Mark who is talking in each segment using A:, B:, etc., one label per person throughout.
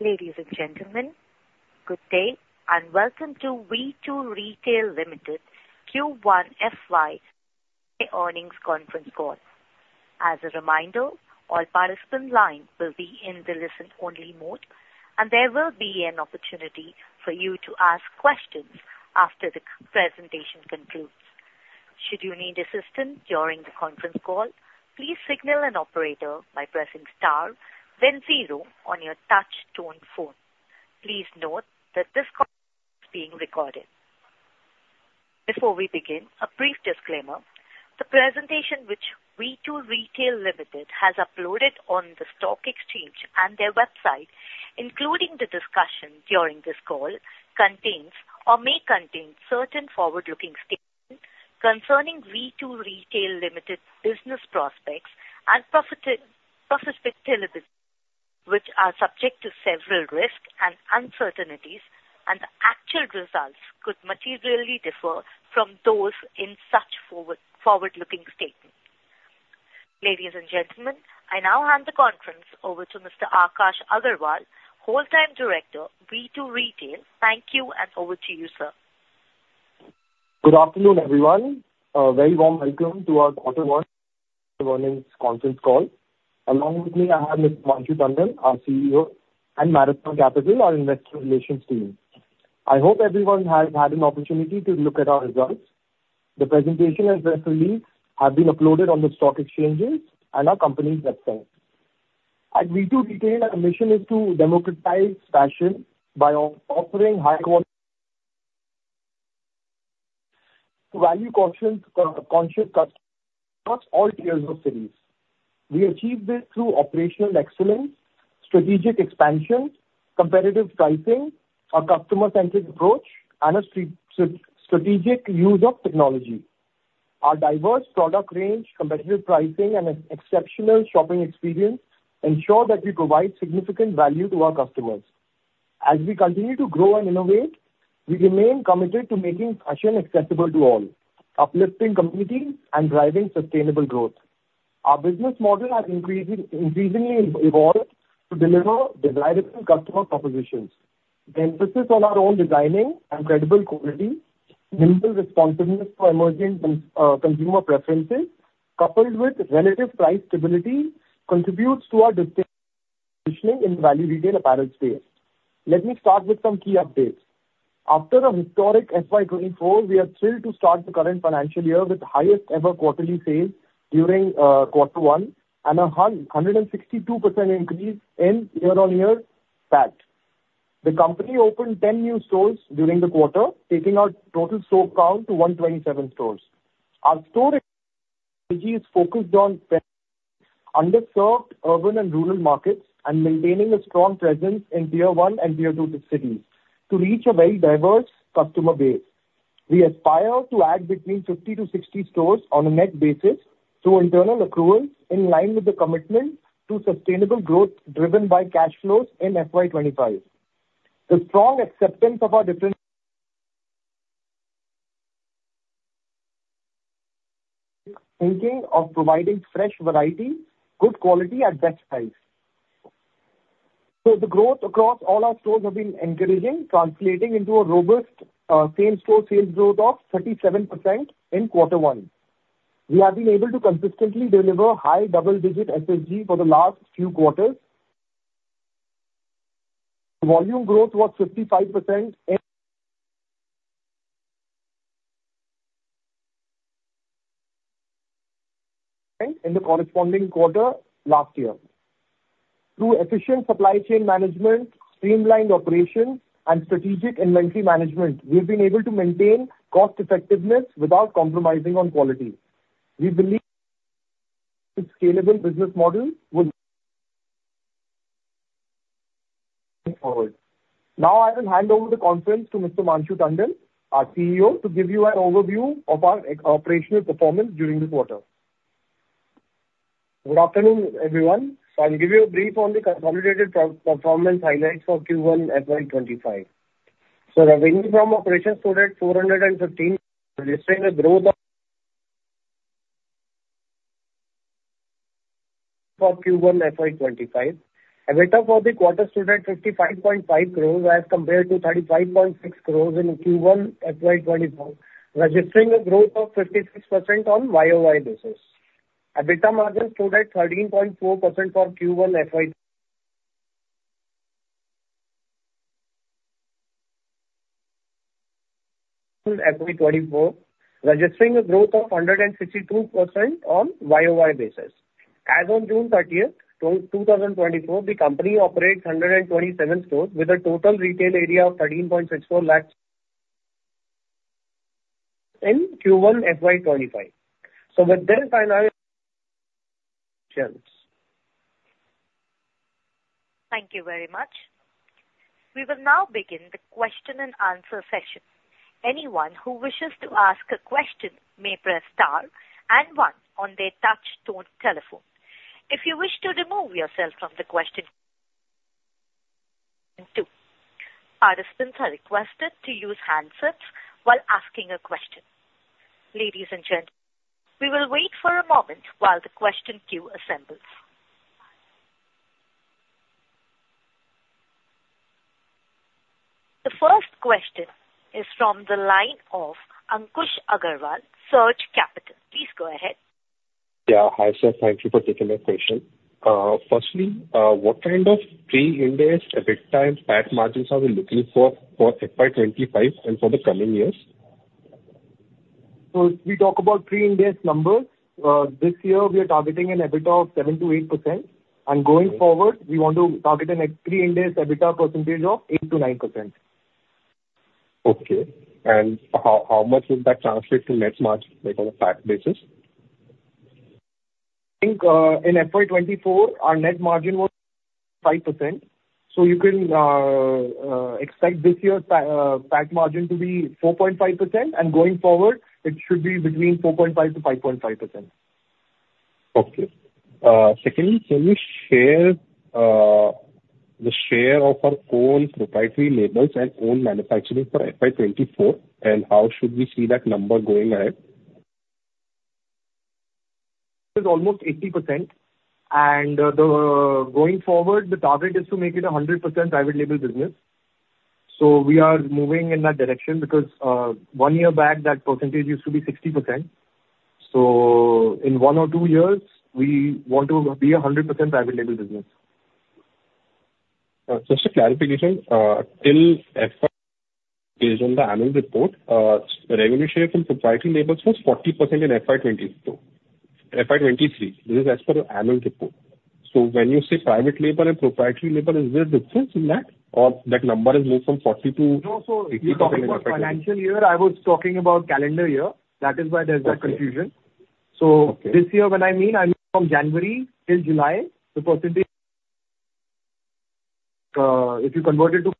A: Ladies and gentlemen, good day and welcome to V2 Retail Limited Q1 FY Earnings Conference Call. As a reminder, all participants' lines will be in the listen-only mode, and there will be an opportunity for you to ask questions after the presentation concludes. Should you need assistance during the conference call, please signal an operator by pressing star then zero on your touch-tone phone. Please note that this call is being recorded. Before we begin, a brief disclaimer: the presentation which V2 Retail Limited has uploaded on the stock exchange and their website, including the discussion during this call, contains or may contain certain forward-looking statements concerning V2 Retail Limited's business prospects and profitability, which are subject to several risks and uncertainties, and actual results could materially differ from those in such forward-looking statements. Ladies and gentlemen, I now hand the conference over to Mr. Akash Agarwal, Whole Time Director, V2 Retail. Thank you, and over to you, sir.
B: Good afternoon, everyone. A very warm welcome to our Q1 Earnings Conference Call. Along with me, I have Mr. Manshu Tandon, our CEO, and Marathon Capital, our investor relations team. I hope everyone has had an opportunity to look at our results. The presentation and press release have been uploaded on the stock exchanges and our company's website. At V2 Retail, our mission is to democratize fashion by offering high-quality value-conscious customers across all tiers of sales. We achieve this through operational excellence, strategic expansion, competitive pricing, a customer-centric approach, and a strategic use of technology. Our diverse product range, competitive pricing, and exceptional shopping experience ensure that we provide significant value to our customers. As we continue to grow and innovate, we remain committed to making fashion accessible to all, uplifting communities, and driving sustainable growth. Our business model has increasingly evolved to deliver desirable customer propositions. The emphasis on our own designing and credible quality, nimble responsiveness to emerging consumer preferences, coupled with relative price stability, contributes to our distinction in the value retail apparel space. Let me start with some key updates. After a historic FY 2024, we are thrilled to start the current financial year with the highest-ever quarterly sales during Q1 and a 162% increase in year-on-year PAT. The company opened 10 new stores during the quarter, taking our total store count to 127 stores. Our store strategy is focused on underserved urban and rural markets and maintaining a strong presence in Tier 1 and Tier 2 cities to reach a very diverse customer base. We aspire to add between 50-60 stores on a net basis through internal accruals in line with the commitment to sustainable growth driven by cash flows in FY 2025. The strong acceptance of our different thinking of providing fresh variety, good quality, at best price. The growth across all our stores has been encouraging, translating into a robust same-store sales growth of 37% in Q1. We have been able to consistently deliver high double-digit SSG for the last few quarters. Volume growth was 55% in the corresponding quarter last year. Through efficient supply chain management, streamlined operations, and strategic inventory management, we have been able to maintain cost-effectiveness without compromising on quality. We believe a scalable business model will move forward. Now, I will hand over the conference to Mr. Manshu Tandon, our CEO, to give you an overview of our operational performance during the quarter.
C: Good afternoon, everyone. I'll give you a brief on the consolidated performance highlights for Q1 FY 25. Revenue from operations stood at 415, registering a growth of. For Q1 FY 25. EBITDA for the quarter stood at 55.5 crore as compared to 35.6 crore in Q1 FY 2024, registering a growth of 56% on YOY basis. EBITDA margin stood at 13.4% for Q1 FY 2024, registering a growth of 162% on YOY basis. As of June 30, 2024, the company operates 127 stores with a total retail area of 13.64 lakhs in Q1 FY 2025. So with this final.
A: Thank you very much. We will now begin the question-and-answer session. Anyone who wishes to ask a question may press star and 1 on their touch-tone telephone. If you wish to remove yourself from the question queue, participants are requested to use handsets while asking a question. Ladies and gentlemen, we will wait for a moment while the question queue assembles. The first question is from the line of Ankush Agrawal, Surge Capital. Please go ahead.
D: Yeah, hi, sir. Thank you for taking the question. Firstly, what kind of pre-Ind AS EBITDA and PAT margins are we looking for for FY 25 and for the coming years?
B: If we talk about pre-Ind AS numbers, this year we are targeting an EBITDA of 7%-8%. Going forward, we want to target a pre-Ind AS EBITDA percentage of 8%-9%.
D: Okay. And how much would that translate to net margin on a PAT basis?
B: I think in FY 2024, our net margin was 5%. You can expect this year's PAT margin to be 4.5%, and going forward, it should be between 4.5%-5.5%.
D: Okay. Secondly, can you share the share of our own proprietary labels and own manufacturing for FY 2024, and how should we see that number going ahead?
B: It's almost 80%. Going forward, the target is to make it a 100% private-label business. We are moving in that direction because one year back, that percentage used to be 60%. In one or two years, we want to be a 100% private-label business.
D: Just a clarification. Till FY 2023, based on the annual report, the revenue share from proprietary labels was 40% in FY 2023. This is as per the annual report. So when you say private label and proprietary label, is there a difference in that, or that number has moved from 40% to 80% in FY 2024?
B: No, so for financial year, I was talking about calendar year. That is why there's that confusion. So this year, when I mean, I mean from January till July, the percentage, if you convert it to.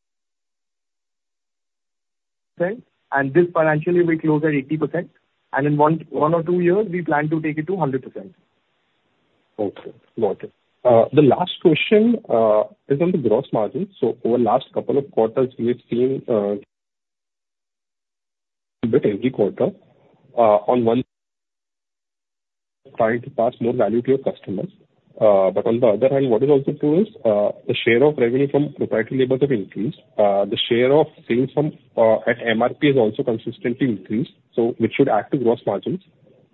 B: And this financial year we closed at 80%. And in one or two years, we plan to take it to 100%.
D: Okay. Got it. The last question is on the gross margin. So over the last couple of quarters, we've seen a bit every quarter on one trying to pass more value to your customers. But on the other hand, what it also proves is the share of revenue from proprietary labels has increased. The share of sales at MRP has also consistently increased, which should add to gross margins.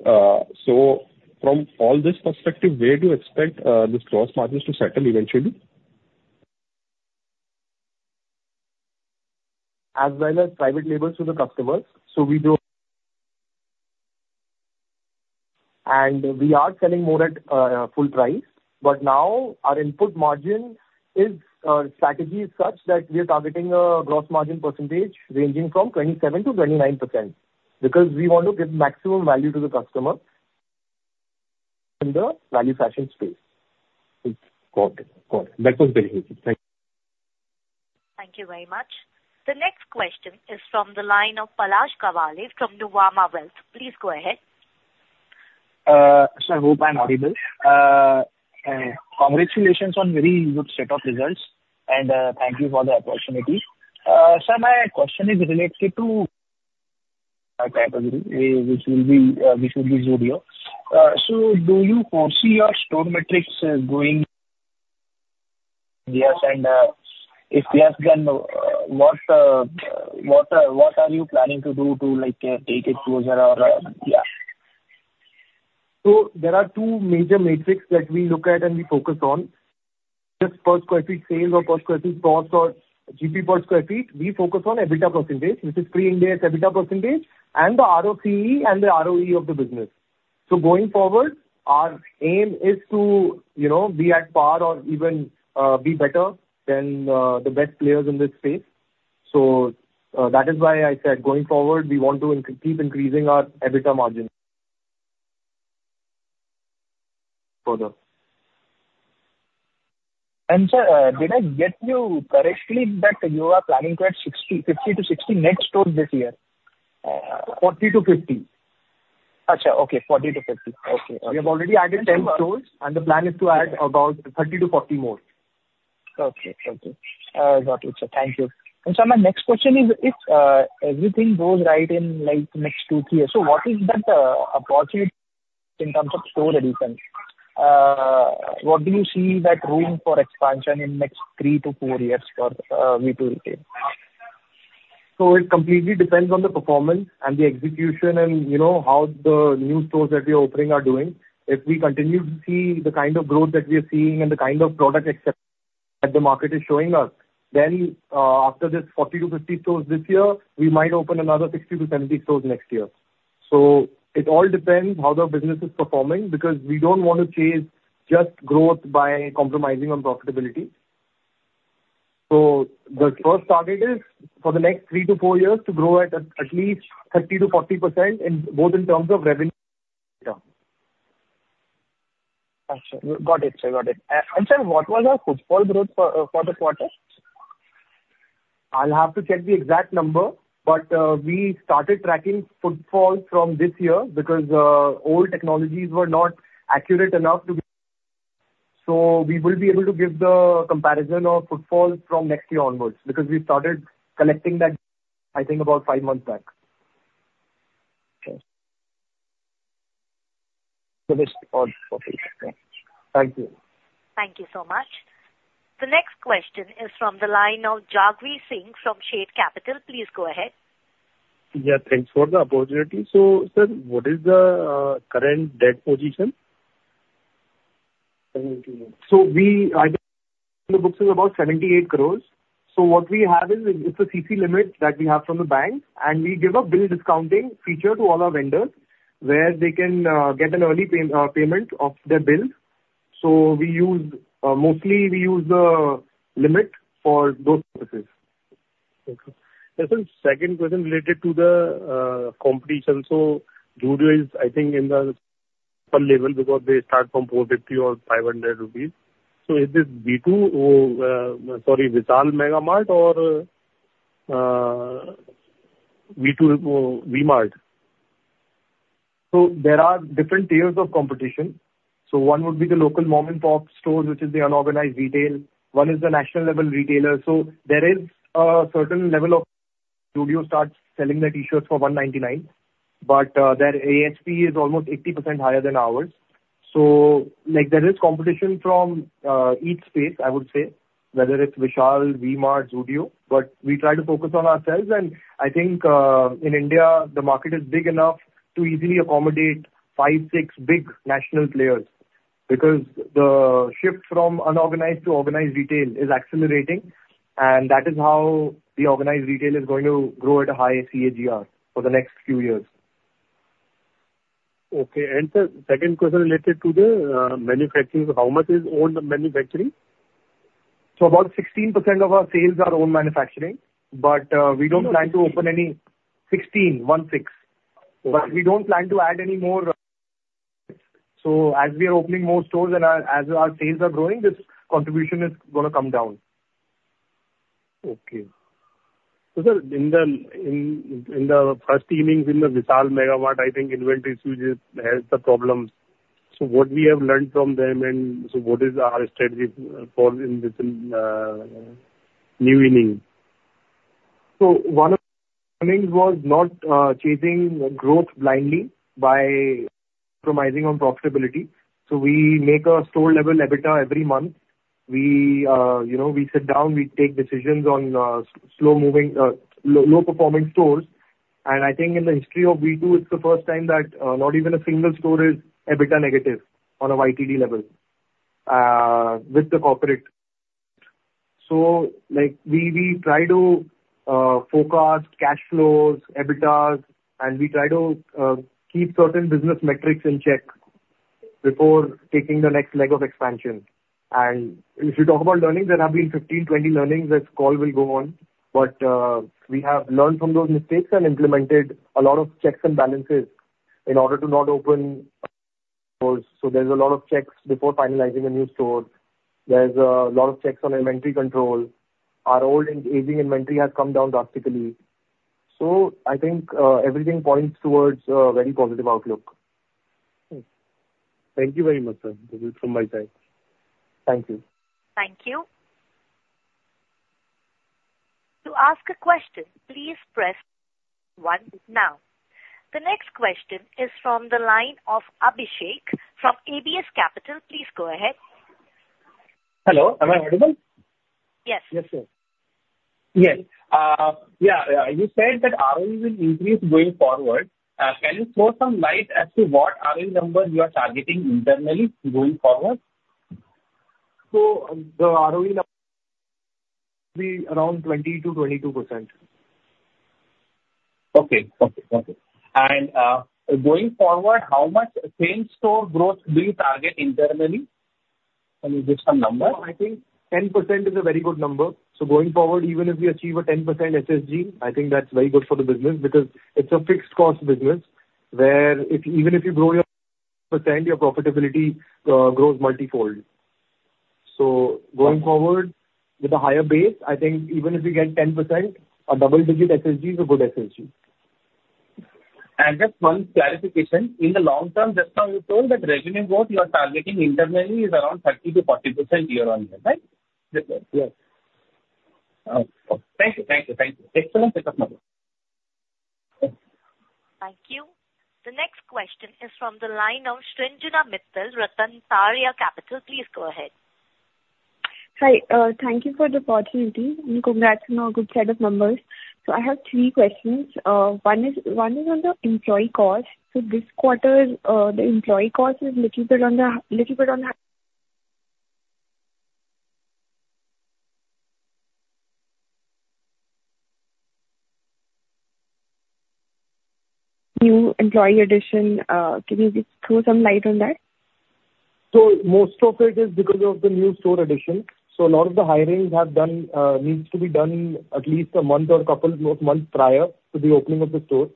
D: So from all this perspective, where do you expect this gross margins to settle eventually?
B: As well as private labels to the customers. So we do. And we are selling more at full price. But now our input margin strategy is such that we are targeting a gross margin percentage ranging from 27%-29% because we want to give maximum value to the customer in the value fashion space.
D: Got it. Got it. That was very helpful. Thank you.
A: Thank you very much. The next question is from the line of Palash Agrawal from Nuvama Wealth. Please go ahead.
E: Sir, I hope I'm audible. Congratulations on a very good set of results, and thank you for the opportunity. Sir, my question is related to my category, which will be Zudio. So do you foresee your store metrics going? Yes. And if yes, then what are you planning to do to take it closer or yeah?
B: So there are two major metrics that we look at and we focus on. Just per square feet sales or per square feet cost or GP per square feet, we focus on EBITDA percentage, which is pre-Ind AS EBITDA percentage, and the ROCE and the ROE of the business. So going forward, our aim is to be at par or even be better than the best players in this space. So that is why I said going forward, we want to keep increasing our EBITDA margin further.
E: Sir, did I get you correctly that you are planning to add 50-60 net stores this year? 40-50. Sure. Okay. 40-50. Okay.
B: We have already added 10 stores, and the plan is to add about 30-40 more.
E: Okay. Okay. Got it, sir. Thank you. And sir, my next question is, if everything goes right in the next two years, so what is that approximate in terms of store addition? What do you see that room for expansion in the next three to four years for V2 Retail?
B: So it completely depends on the performance and the execution and how the new stores that we are offering are doing. If we continue to see the kind of growth that we are seeing and the kind of product acceptance that the market is showing us, then after this 40-50 stores this year, we might open another 60-70 stores next year. So it all depends on how the business is performing because we don't want to chase just growth by compromising on profitability. So the first target is for the next 3-4 years to grow at least 30%-40% both in terms of revenue.
E: Got it. Got it. And sir, what was our footfall growth for the quarter?
B: I'll have to check the exact number, but we started tracking footfall from this year because old technologies were not accurate enough to be. So we will be able to give the comparison of footfall from next year onwards because we started collecting that, I think, about five months back.
E: Okay. Thank you.
A: Thank you so much. The next question is from the line of Jagvir Singh from Shade Capital. Please go ahead.
F: Yeah. Thanks for the opportunity. So sir, what is the current debt position?
B: The books are about 78 crores. What we have is it's a CC limit that we have from the bank, and we give a bill discounting feature to all our vendors where they can get an early payment of their bill. Mostly we use the limit for those purposes.
F: Okay. And sir, second question related to the competition. So Zudio is, I think, in the upper level because they start from 450 or 500 rupees. So is this V2, sorry, Vishal Mega Mart or V2 V-Mart?
B: So there are different tiers of competition. So one would be the local mom-and-pop stores, which is the unorganized retail. One is the national-level retailer. So there is a certain level of Zudio starts selling their t-shirts for 199, but their ASP is almost 80% higher than ours. So there is competition from each space, I would say, whether it's Vishal, VMart, Zudio. But we try to focus on ourselves. And I think in India, the market is big enough to easily accommodate five, six big national players because the shift from unorganized to organized retail is accelerating. And that is how the organized retail is going to grow at a high CAGR for the next few years.
F: Okay. Sir, second question related to the manufacturing. How much is owned manufacturing?
B: About 16% of our sales are own manufacturing, but we don't plan to add any more. So as we are opening more stores and as our sales are growing, this contribution is going to come down.
F: Okay. So sir, in the first innings in the Vishal Mega Mart, I think inventory issues has the problems. So what we have learned from them and so what is our strategy for this new innings?
B: So one of the learnings was not chasing growth blindly by compromising on profitability. We make a store-level EBITDA every month. We sit down, we take decisions on slow-moving, low-performing stores. I think in the history of V2, it's the first time that not even a single store is EBITDA negative on a YTD level with the corporate. We try to forecast cash flows, EBITDAs, and we try to keep certain business metrics in check before taking the next leg of expansion. If you talk about learnings, there have been 15, 20 learnings as the call will go on. We have learned from those mistakes and implemented a lot of checks and balances in order to not open stores. There's a lot of checks before finalizing a new store. There's a lot of checks on inventory control. Our old and aging inventory has come down drastically. So I think everything points towards a very positive outlook.
F: Thank you very much, sir. This is from my side.
B: Thank you.
A: Thank you. To ask a question, please press one now. The next question is from the line of Abhishek from ABS Capital. Please go ahead.
G: Hello. Am I audible?
A: Yes.
G: Yes, sir. Yes. Yeah. You said that ROE will increase going forward. Can you throw some light as to what ROE number you are targeting internally going forward?
B: The ROE will be around 20%-22%.
G: Going forward, how much same store sales growth do you target internally? Can you give some numbers?
B: I think 10% is a very good number. So going forward, even if we achieve a 10% SSG, I think that's very good for the business because it's a fixed-cost business where even if you grow your percent, your profitability grows multi-fold. So going forward with a higher base, I think even if we get 10%, a double-digit SSG is a good SSG.
G: Just one clarification. In the long term, just now you told that revenue growth you are targeting internally is around 30%-40% year-on-year, right?
B: Yes.
G: Okay. Thank you. Thank you. Thank you. Excellent set of numbers.
A: Thank you. The next question is from the line of Sanjana Mittal, Ratnatraya Capital. Please go ahead.
H: Hi. Thank you for the opportunity. Congrats on a good set of numbers. I have three questions. One is on the employee cost. This quarter, the employee cost is a little bit on the new employee addition. Can you throw some light on that?
B: So most of it is because of the new store addition. So a lot of the hiring needs to be done at least a month or a couple of months prior to the opening of the store.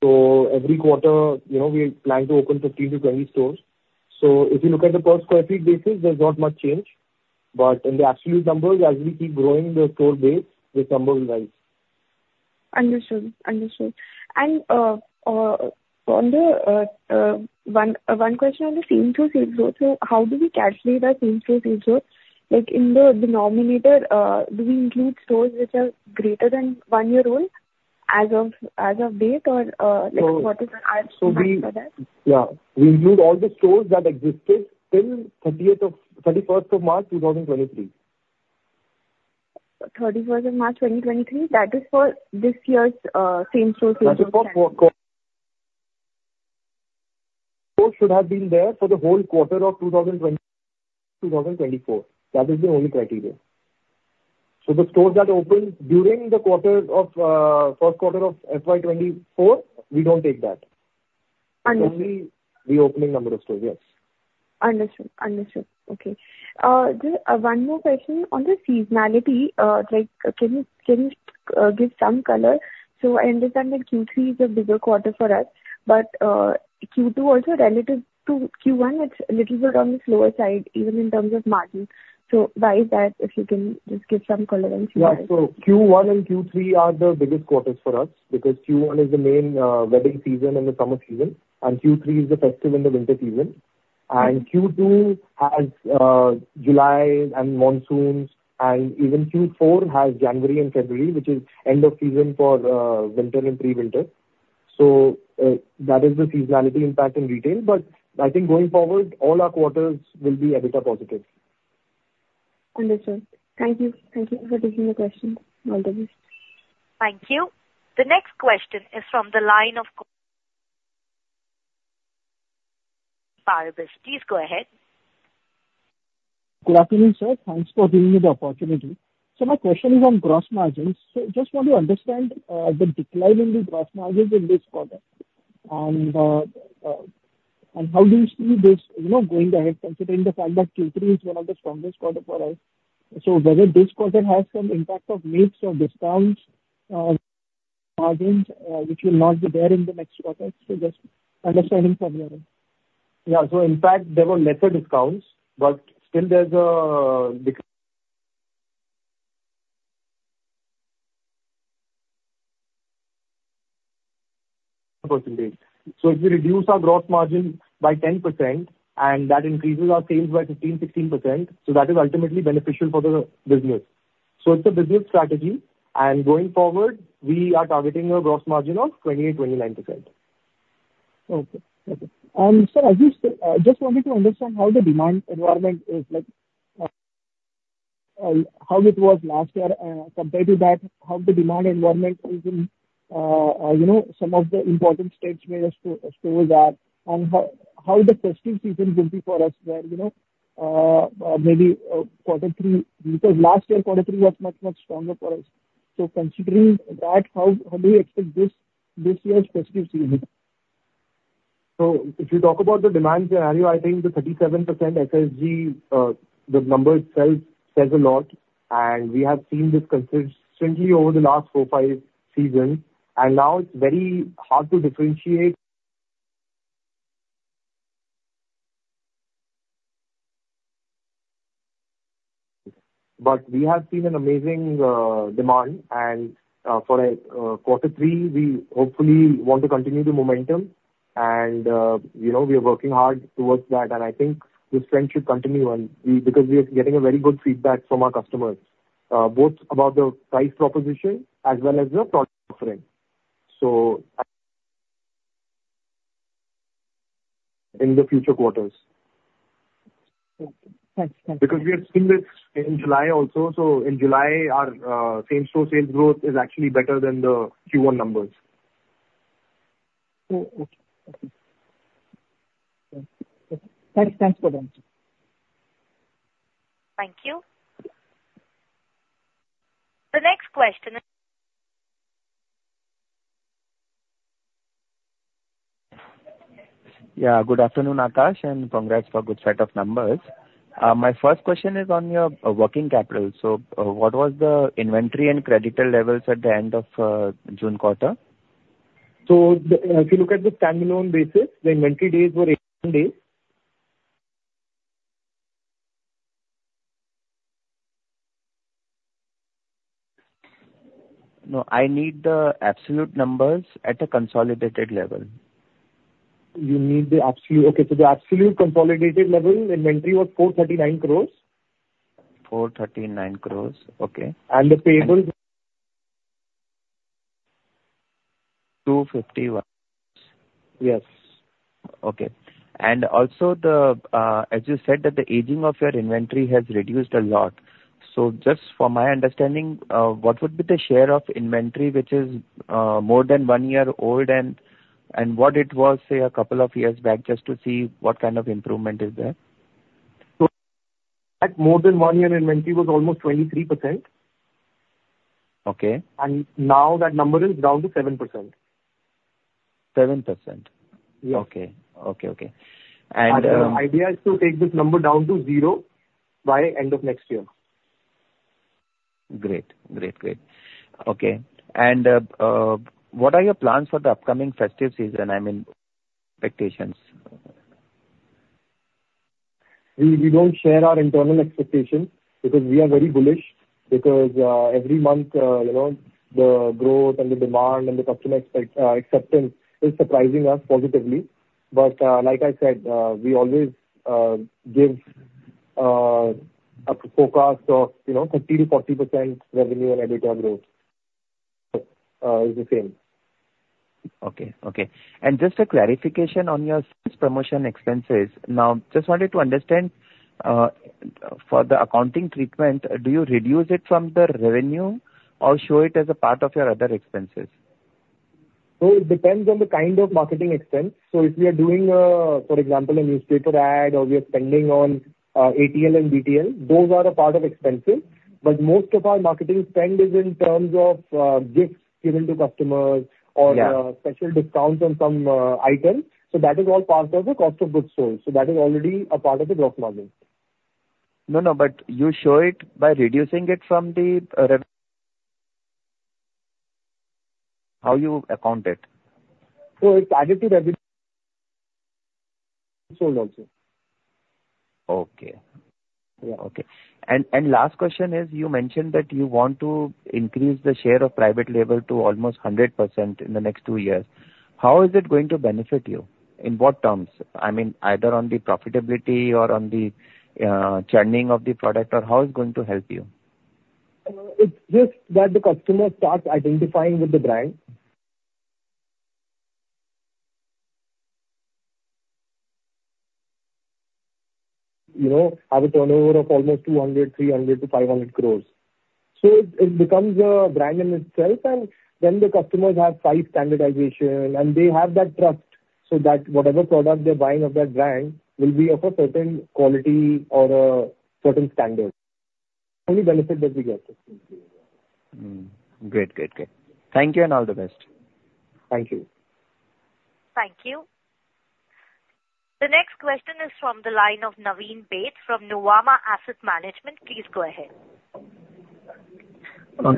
B: So every quarter, we plan to open 15-20 stores. So if you look at the per square feet basis, there's not much change. But in the absolute numbers, as we keep growing the store base, this number will rise.
H: Understood. Understood. And one question on the same sales growth, how do we calculate that same sales growth? In the numerator, do we include stores which are greater than one year old as of date, or what is the answer for that?
B: Yeah. We include all the stores that existed till 31st of March 2023.
H: 31st of March 2023? That is for this year's same store sales growth?
B: The stores should have been there for the whole quarter of 2024. That is the only criteria. So the stores that opened during the Q1 of FY 2024, we don't take that.
H: Understood.
B: Only the opening number of stores, yes.
H: Understood. Understood. Okay. Just one more question on the seasonality. Can you give some color? So I understand that Q3 is a bigger quarter for us, but Q2 also relative to Q1, it's a little bit on the slower side, even in terms of margin. So why is that? If you can just give some color and see why.
B: Yeah. So Q1 and Q3 are the biggest quarters for us because Q1 is the main wedding season in the summer season, and Q3 is the festive in the winter season. And Q2 has July and monsoons, and even Q4 has January and February, which is end of season for winter and pre-winter. So that is the seasonality impact in retail. But I think going forward, all our quarters will be EBITDA positive.
H: Understood. Thank you. Thank you for taking the questions. All the best.
A: Thank you. The next question is from the line of. [inaudible] Please go ahead.
I: Good afternoon, sir. Thanks for giving me the opportunity. So my question is on gross margins. So I just want to understand the decline in the gross margins in this quarter. And how do you see this going ahead considering the fact that Q3 is one of the strongest quarters for us? So whether this quarter has some impact of mix or discounts, margins which will not be there in the next quarter? So just understanding from your end.
B: Yeah. So in fact, there were lesser discounts, but still there's an opportunity. So if we reduce our gross margin by 10% and that increases our sales by 15-16%, so that is ultimately beneficial for the business. So it's a business strategy. And going forward, we are targeting a gross margin of 28-29%.
I: Okay. Okay. And sir, I just wanted to understand how the demand environment is, how it was last year compared to that, how the demand environment is in some of the important states where stores are, and how the festive season will be for us where maybe quarter three because last year, quarter three was much, much stronger for us. So considering that, how do you expect this year's festive season?
C: So if you talk about the demand scenario, I think the 37% SSG, the number itself says a lot. We have seen this consistently over the last four, five seasons. Now it's very hard to differentiate. But we have seen an amazing demand. For quarter three, we hopefully want to continue the momentum. We are working hard towards that. I think this trend should continue because we are getting very good feedback from our customers, both about the price proposition as well as the product offering. So in the future quarters.
I: Thanks. Thanks.
B: Because we had seen this in July also. In July, our same store sales growth is actually better than the Q1 numbers.
I: Okay. Okay. Thanks. Thanks for that.
A: Thank you. The next question.
I: Yeah. Good afternoon, Akash, and congrats for a good set of numbers. My first question is on your working capital. So what was the inventory and creditor levels at the end of June quarter?
B: So if you look at the standalone basis, the inventory days were 18 days.
I: No. I need the absolute numbers at a consolidated level.
B: You need the absolute. Okay. So the absolute consolidated level, inventory was 439 crore.
I: 439 crore. Okay.
B: The payables.
I: 251.
B: Yes.
I: Okay. And also, as you said, that the aging of your inventory has reduced a lot. So just for my understanding, what would be the share of inventory which is more than one year old and what it was, say, a couple of years back, just to see what kind of improvement is there?
B: So that more than one year inventory was almost 23%.
I: Okay.
B: Now that number is down to 7%.
I: 7%.
B: Yes.
I: Okay. Okay. Okay. And.
B: Our idea is to take this number down to zero by end of next year.
I: Great. Great. Great. Okay. And what are your plans for the upcoming festive season? I mean, expectations.
B: We don't share our internal expectations because we are very bullish because every month, the growth and the demand and the customer acceptance is surprising us positively. But like I said, we always give a forecast of 30%-40% revenue and EBITDA growth is the same.
I: Okay. Okay. Just a clarification on your sales promotion expenses. Now, just wanted to understand for the accounting treatment, do you reduce it from the revenue or show it as a part of your other expenses?
B: So it depends on the kind of marketing expense. So if we are doing, for example, a newspaper ad or we are spending on ATL and BTL, those are a part of expenses. But most of our marketing spend is in terms of gifts given to customers or special discounts on some items. So that is all part of the cost of goods sold. So that is already a part of the gross margin.
I: No, no. But you show it by reducing it from the revenue. How do you account it?
B: It's added to revenue sold also.
I: Okay. Yeah. Okay. Last question is, you mentioned that you want to increase the share of private label to almost 100% in the next two years. How is it going to benefit you? In what terms? I mean, either on the profitability or on the churning of the product, or how is it going to help you?
B: It's just that the customer starts identifying with the brand. You know, have a turnover of almost 200-300 to 500 crores. So it becomes a brand in itself, and then the customers have size standardization, and they have that trust so that whatever product they're buying of that brand will be of a certain quality or a certain standard. Only benefit that we get.
I: Great. Great. Great. Thank you and all the best.
B: Thank you.
A: Thank you. The next question is from the line of Naveen Baid from Nuvama Asset Management. Please go ahead.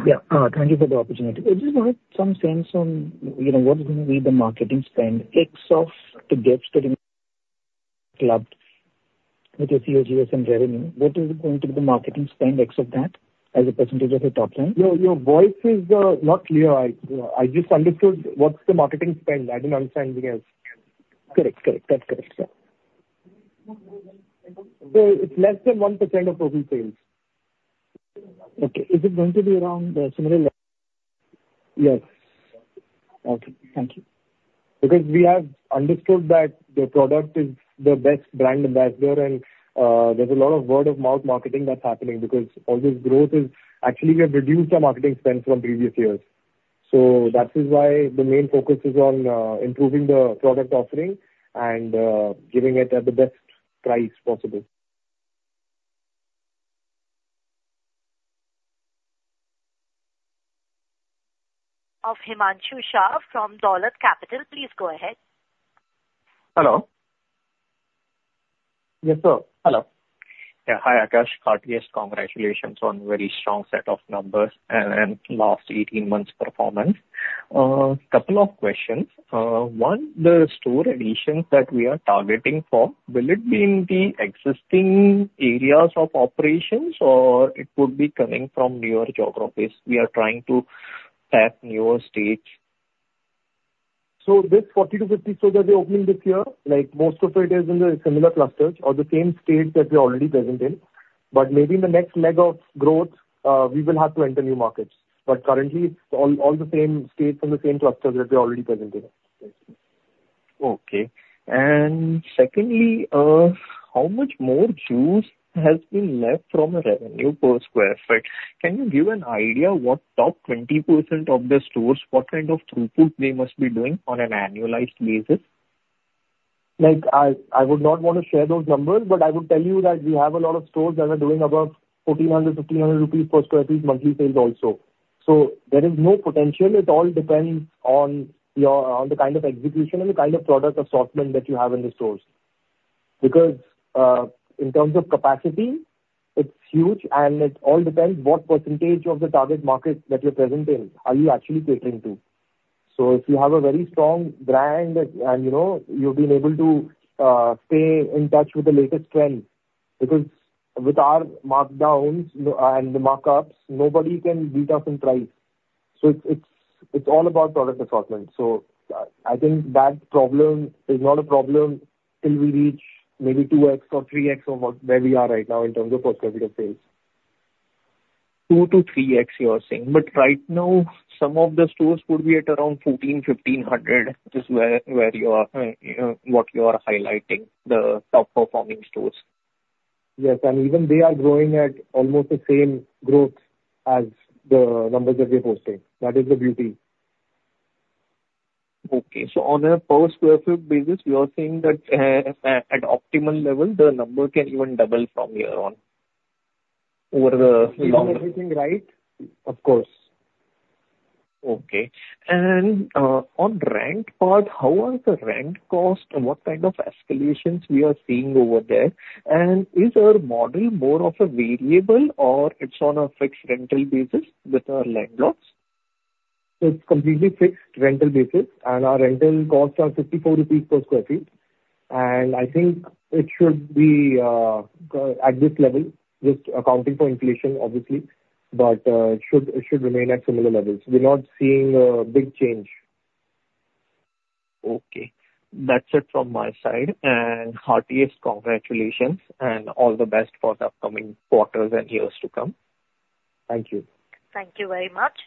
B: Yeah. Thank you for the opportunity. I just wanted some sense on what is going to be the marketing spend except the gifts that clubbed with the COGS and revenue? What is going to be the marketing spend except that as a percentage of the top line?
J: Your voice is not clear. I just understood what's the marketing spend. I didn't understand anything else.
B: Correct. Correct. That's correct. Yeah. So it's less than 1% of total sales. Okay. Is it going to be around the similar? Yes. Okay. Thank you. Because we have understood that the product is the best brand ambassador, and there's a lot of word-of-mouth marketing that's happening because all this growth is actually we have reduced our marketing spend from previous years. So that is why the main focus is on improving the product offering and giving it at the best price possible.
A: Of Himanshu Shah from Dolat Capital. Please go ahead.
K: Hello.
B: Yes, sir. Hello.
K: Yeah. Hi, Akash. Heartiest congratulations on a very strong set of numbers and last 18 months performance. A couple of questions. One, the store additions that we are targeting for, will it be in the existing areas of operations, or it would be coming from newer geographies? We are trying to tap newer states.
B: So this 40-50 stores that we are opening this year, most of it is in the similar clusters or the same states that we are already present in. But maybe in the next leg of growth, we will have to enter new markets. But currently, it's all the same states and the same clusters that we are already present in.
K: Okay. And secondly, how much more juice has been left from a revenue per sq ft? Can you give an idea what top 20% of the stores, what kind of throughput they must be doing on an annualized basis?
B: I would not want to share those numbers, but I would tell you that we have a lot of stores that are doing about 1,400-1,500 rupees per sq ft monthly sales also. So there is no potential. It all depends on the kind of execution and the kind of product assortment that you have in the stores. Because in terms of capacity, it's huge, and it all depends what percentage of the target market that you're present in are you actually catering to. So if you have a very strong brand and you've been able to stay in touch with the latest trend, because with our markdowns and the markups, nobody can beat us in price. So it's all about product assortment. I think that problem is not a problem till we reach maybe 2x or 3x of where we are right now in terms of per sq ft of sales.
K: 2-3x, you're saying. But right now, some of the stores would be at around 1,400, 1,500, is where you are highlighting the top-performing stores.
B: Yes. And even they are growing at almost the same growth as the numbers that we are posting. That is the beauty.
K: Okay. So on a per sq ft basis, we are seeing that at optimal level, the number can even double from here on. Over the longer term.
B: If we do everything right.
K: Of course. Okay. On rent part, how are the rent costs and what kind of escalations we are seeing over there? Is our model more of a variable, or it's on a fixed rental basis with our landlords?
B: It's completely fixed rental basis, and our rental costs are 54 rupees per sq ft. And I think it should be at this level, just accounting for inflation, obviously, but it should remain at similar levels. We're not seeing a big change.
K: Okay. That's it from my side. And heartiest congratulations and all the best for the upcoming quarters and years to come.
B: Thank you.
A: Thank you very much.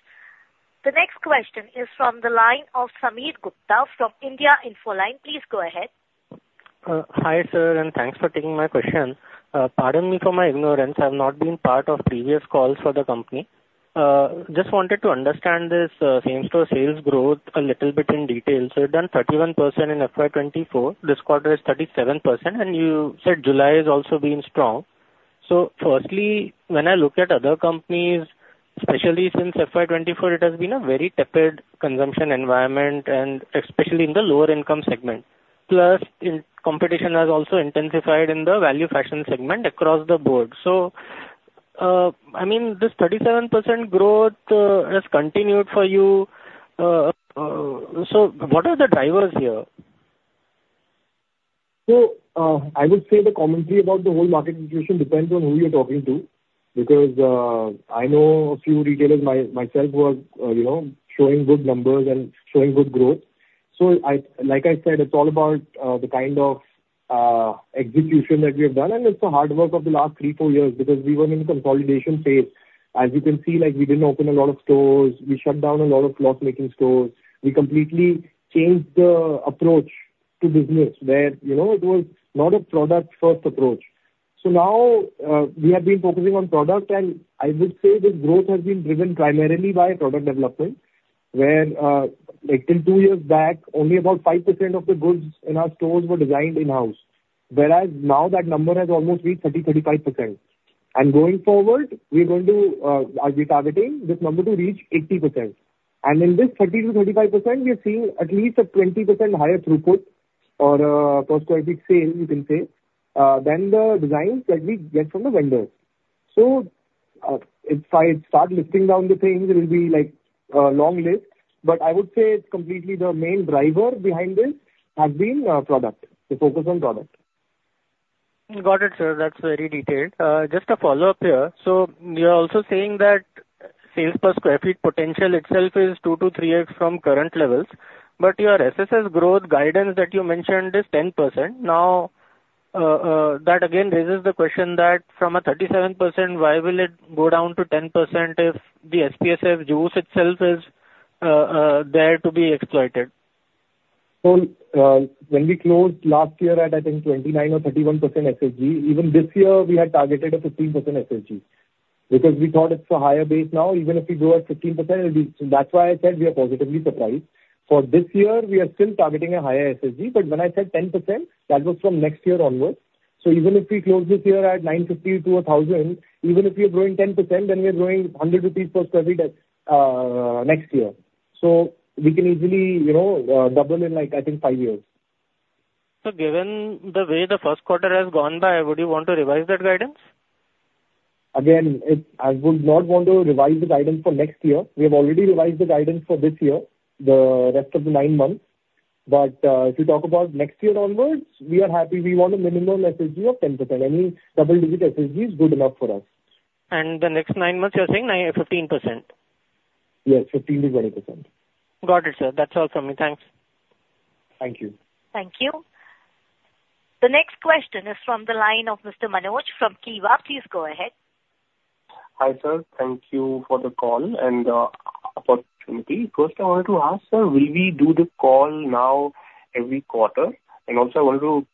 A: The next question is from the line of Sameer Gupta from India Infoline. Please go ahead.
L: Hi, sir, and thanks for taking my question. Pardon me for my ignorance. I have not been part of previous calls for the company. Just wanted to understand this same store sales growth a little bit in detail. So you've done 31% in FY24. This quarter is 37%, and you said July is also being strong. So firstly, when I look at other companies, especially since FY24, it has been a very tepid consumption environment, and especially in the lower-income segment. Plus, competition has also intensified in the value fashion segment across the board. So I mean, this 37% growth has continued for you. So what are the drivers here?
B: So I would say the commentary about the whole market situation depends on who you're talking to because I know a few retailers myself who are showing good numbers and showing good growth. So like I said, it's all about the kind of execution that we have done, and it's the hard work of the last 3-4 years because we were in a consolidation phase. As you can see, we didn't open a lot of stores. We shut down a lot of loss-making stores. We completely changed the approach to business where it was not a product-first approach. So now we have been focusing on product, and I would say the growth has been driven primarily by product development where until two years back, only about 5% of the goods in our stores were designed in-house, whereas now that number has almost reached 30%-35%. Going forward, we are going to be targeting this number to reach 80%. In this 30%-35%, we are seeing at least a 20% higher throughput or per square foot sale, you can say, than the designs that we get from the vendors. If I start listing down the things, it will be a long list, but I would say it's completely the main driver behind this has been product, the focus on product.
L: Got it, sir. That's very detailed. Just a follow-up here. So you're also saying that sales per square foot potential itself is 2-3x from current levels, but your SSS growth guidance that you mentioned is 10%. Now, that again raises the question that from a 37%, why will it go down to 10% if the SPSF juice itself is there to be exploited?
B: So when we closed last year at, I think, 29% or 31% SSG, even this year we had targeted a 15% SSG because we thought it's a higher base now. Even if we go at 15%, that's why I said we are positively surprised. For this year, we are still targeting a higher SSG, but when I said 10%, that was from next year onwards. So even if we close this year at 950-1,000, even if we are growing 10%, then we are growing 100 rupees per sq ft next year. So we can easily double in, I think, five years.
L: Given the way the Q1 has gone by, would you want to revise that guidance?
B: Again, I would not want to revise the guidance for next year. We have already revised the guidance for this year, the rest of the nine months. But if you talk about next year onwards, we are happy. We want a minimum SSG of 10%. Any double-digit SSG is good enough for us.
L: The next nine months, you're saying 15%?
B: Yes, 15%-20%.
L: Got it, sir. That's all from me. Thanks.
B: Thank you.
A: Thank you. The next question is from the line of Mr. Manoj from Kiva. Please go ahead.
M: Hi, sir. Thank you for the call and opportunity. First, I wanted to ask, sir, will we do the call now every quarter? Also, I wanted to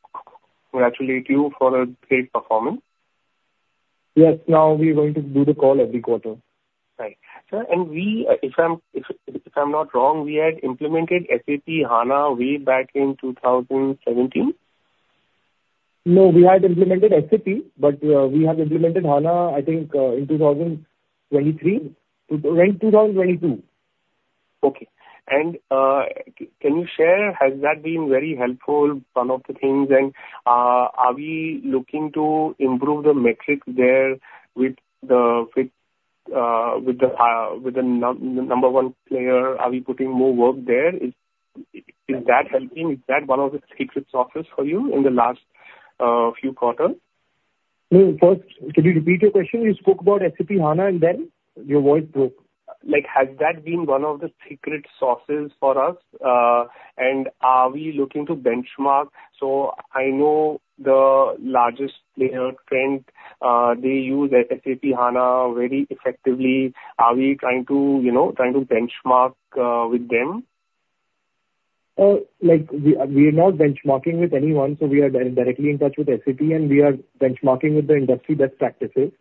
M: congratulate you for a great performance.
B: Yes. Now we are going to do the call every quarter.
M: Right. Sir, and if I'm not wrong, we had implemented SAP HANA way back in 2017?
B: No, we had implemented SAP, but we have implemented HANA, I think, in 2023, right? 2022.
M: Okay. Can you share, has that been very helpful, one of the things? Are we looking to improve the metrics there with the number one player? Are we putting more work there? Is that helping? Is that one of the secret sources for you in the last few quarters?
B: No, first, can you repeat your question? You spoke about SAP HANA and then your voice broke.
M: Has that been one of the secret sources for us? And are we looking to benchmark? So I know the largest player, Trent, they use SAP HANA very effectively. Are we trying to benchmark with them?
B: We are not benchmarking with anyone. So we are directly in touch with SAP, and we are benchmarking with the industry best practices.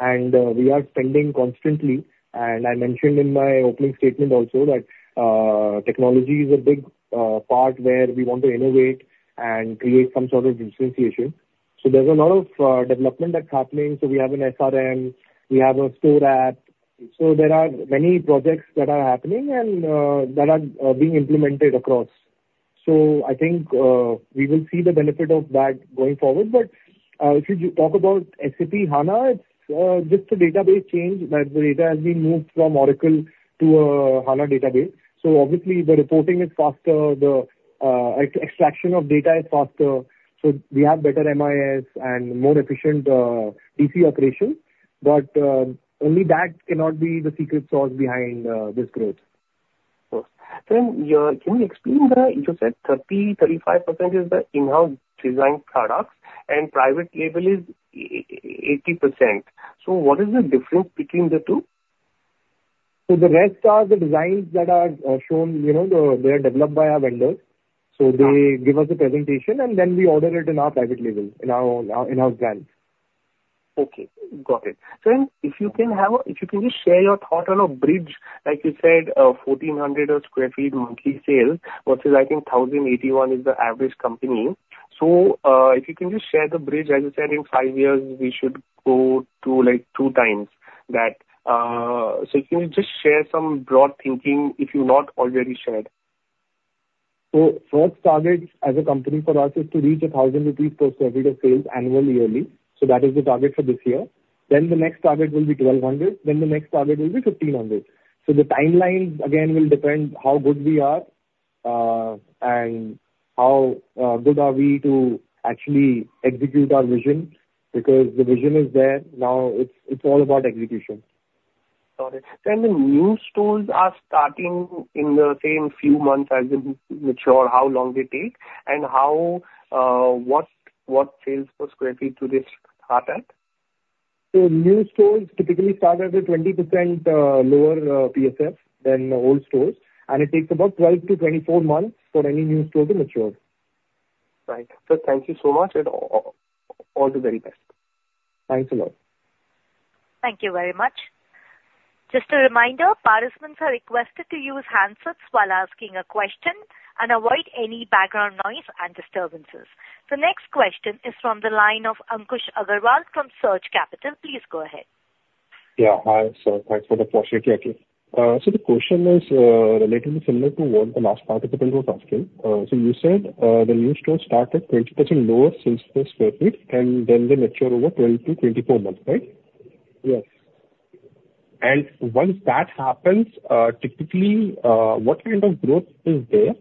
B: And we are spening constantly. And I mentioned in my opening statement also that technology is a big part where we want to innovate and create some sort of differentiation. So there's a lot of development that's happening. So we have an SRM. We have a store app. So there are many projects that are happening and that are being implemented across. So I think we will see the benefit of that going forward. But if you talk about SAP HANA, it's just a database change, but the data has been moved from Oracle to a HANA database. So obviously, the reporting is faster. The extraction of data is faster. So we have better MIS and more efficient DC operation. But only that cannot be the secret source behind this growth.
M: Of course. Then can you explain the, you said 30%-35% is the in-house design products and private label is 80%. So what is the difference between the two?
B: So the rest are the designs that are shown. They are developed by our vendors. So they give us a presentation, and then we order it in our private label, in our brand.
M: Okay. Got it. Then if you can just share your thought on a bridge, like you said, 1,400 sq ft monthly sales versus, I think, 1,081 is the average company. So if you can just share the bridge, as you said, in five years, we should go to two times that. So can you just share some broad thinking if you've not already shared?
B: So first target as a company for us is to reach 1,000 rupees per sq ft of sales annually, yearly. So that is the target for this year. Then the next target will be 1,200. Then the next target will be 1,500. So the timeline, again, will depend how good we are and how good are we to actually execute our vision because the vision is there. Now it's all about execution.
M: Got it. The new stores are starting in the same few months as in mature. How long they take and what sales per sq ft do they start at?
B: New stores typically start at a 20% lower PSF than old stores. It takes about 12-24 months for any new store to mature.
M: Right. So thank you so much. All the very best.
B: Thanks a lot.
A: Thank you very much. Just a reminder, participants are requested to use handsets while asking a question and avoid any background noise and disturbances. The next question is from the line of Ankush Agrawal from Surge Capital. Please go ahead.
D: Yeah. Hi, sir. Thanks for the opportunity. So the question is related to similar to what the last participant was asking. So you said the new stores start at 20% lower sales per sq ft, and then they mature over 12 to 24 months, right?
B: Yes.
D: Once that happens, typically, what kind of growth is there?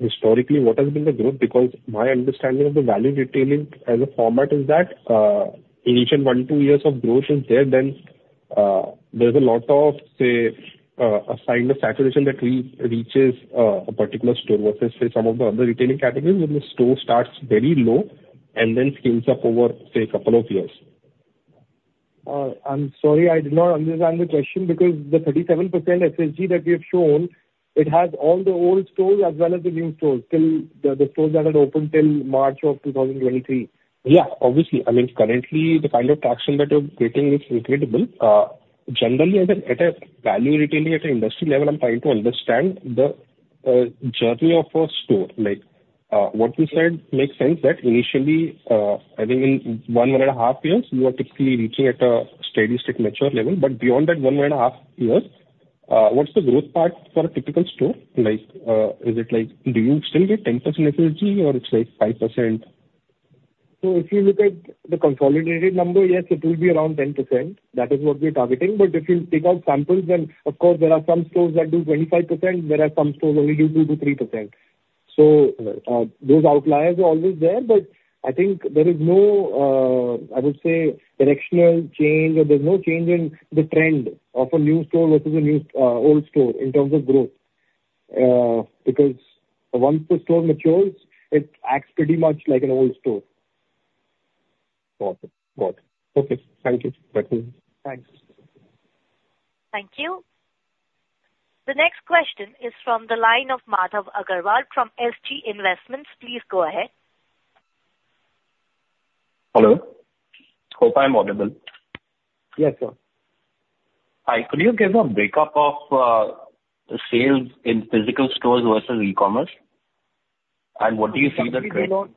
D: Historically, what has been the growth? Because my understanding of the value retailing as a format is that in each and 1-2 years of growth is there, then there's a lot of, say, a sign of saturation that reaches a particular store versus, say, some of the other retailing categories where the store starts very low and then scales up over, say, a couple of years.
B: I'm sorry, I did not understand the question because the 37% SSG that we have shown, it has all the old stores as well as the new stores till the stores that are open till March of 2023.
D: Yeah, obviously. I mean, currently, the kind of traction that you're creating is incredible. Generally, at a value retailing at an industry level, I'm trying to understand the journey of a store. What you said makes sense that initially, I think in one and a half years, you are typically reaching at a steady state mature level. But beyond that one and a half years, what's the growth path for a typical store? Is it like do you still get 10% SSG or it's like 5%?
B: So if you look at the consolidated number, yes, it will be around 10%. That is what we are targeting. But if you take out samples, then of course, there are some stores that do 25%. There are some stores only do 2%-3%. So those outliers are always there, but I think there is no, I would say, directional change or there's no change in the trend of a new store versus a new old store in terms of growth because once the store matures, it acts pretty much like an old store.
D: Got it. Got it. Okay. Thank you. Thanks.
A: Thank you. The next question is from the line of Madhav Agarwal from SG Investments. Please go ahead.
N: Hello. Hope I'm audible.
B: Yes, sir.
N: Hi. Could you give a break-up of sales in physical stores versus e-commerce? And what do you see that?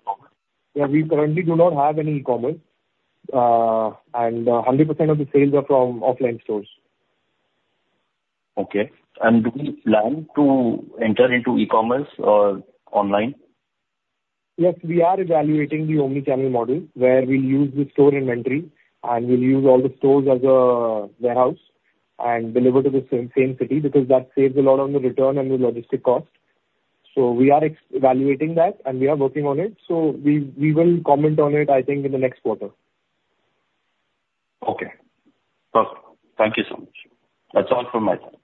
B: Yeah. We currently do not have any e-commerce. 100% of the sales are from offline stores.
N: Okay. And do we plan to enter into e-commerce online?
B: Yes. We are evaluating the omnichannel model where we'll use the store inventory and we'll use all the stores as a warehouse and deliver to the same city because that saves a lot on the return and the logistic cost. So we are evaluating that and we are working on it. So we will comment on it, I think, in the next quarter.
N: Okay. Perfect. Thank you so much. That's all from my side.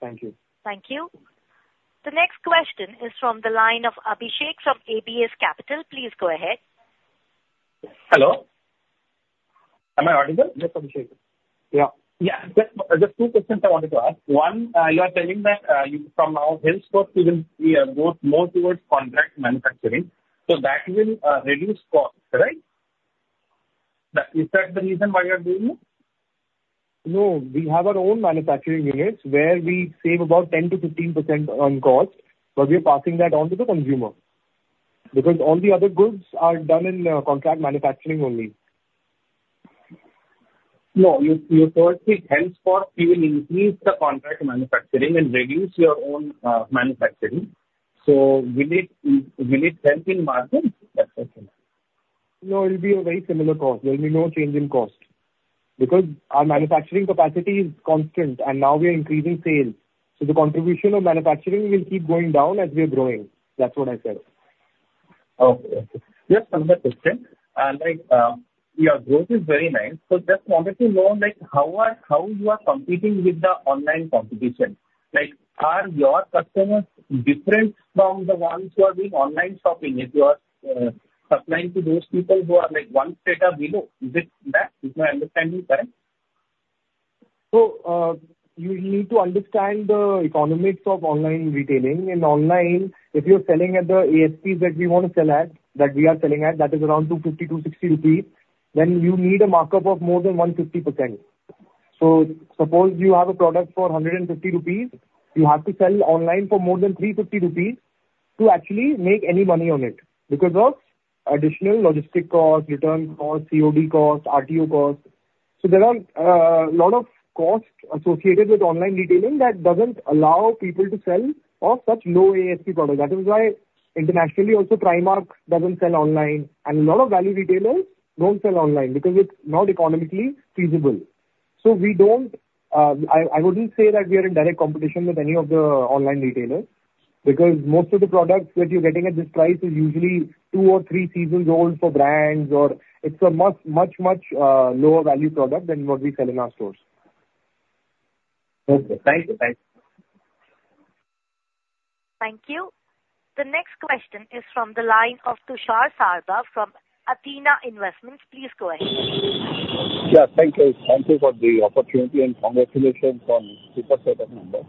B: Thank you.
A: Thank you. The next question is from the line of Abhishek from ABS Capital. Please go ahead.
G: Hello. Am I audible?
B: Yes, Abhishek.
G: Yeah. Yeah. Just two questions I wanted to ask. One, you are telling that from our health stores we will go more towards contract manufacturing. So that will reduce costs, right? Is that the reason why you are doing it?
B: No. We have our own manufacturing units where we save about 10%-15% on cost, but we are passing that on to the consumer because all the other goods are done in contract manufacturing only.
G: No. You told me health stores will increase the contract manufacturing and reduce your own manufacturing. So will it help in markets? That's the question.
B: No, it will be a very similar cost. There will be no change in cost because our manufacturing capacity is constant and now we are increasing sales. So the contribution of manufacturing will keep going down as we are growing. That's what I said.
G: Okay. Yes, 100%. Your growth is very nice. So just wanted to know how you are competing with the online competition. Are your customers different from the ones who are doing online shopping if you are supplying to those people who are one strata below? Is it that? Is my understanding correct?
B: So you need to understand the economics of online retailing. In online, if you're selling at the ASPs that we want to sell at, that we are selling at, that is around 250-260 rupees, then you need a markup of more than 150%. So suppose you have a product for 150 rupees, you have to sell online for more than 350 rupees to actually make any money on it because of additional logistic cost, return cost, COD cost, RTO cost. So there are a lot of costs associated with online retailing that doesn't allow people to sell of such low ASP products. That is why internationally also Primark doesn't sell online. And a lot of value retailers don't sell online because it's not economically feasible. So I wouldn't say that we are in direct competition with any of the online retailers because most of the products that you're getting at this price is usually two or three seasons old for brands or it's a much, much lower value product than what we sell in our stores.
G: Okay. Thank you. Thank you.
A: Thank you. The next question is from the line of Tushar Sarda from Athena Investments. Please go ahead.
O: Yes. Thank you. Thank you for the opportunity and congratulations on super setup number.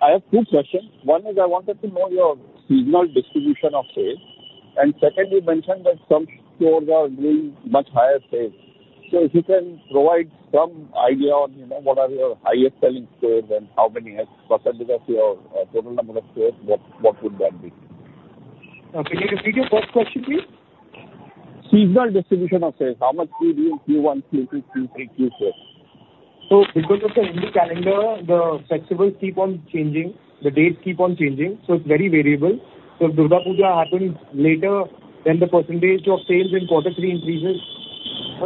O: I have two questions. One is I wanted to know your seasonal distribution of sales. Second, you mentioned that some stores are doing much higher sales. So if you can provide some idea on what are your highest selling stores and how many percentage of your total number of stores, what would that be?
B: Okay. Can you repeat your first question, please?
O: Seasonal distribution of sales. How much PB and Q1, Q2, Q3, Q4?
B: Because of the Hindu calendar, the festivals keep on changing. The dates keep on changing. It's very variable. If Durga Puja happens later, then the percentage of sales in quarter three increases.